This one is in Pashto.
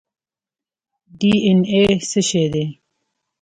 ډي این اې څه شی دی؟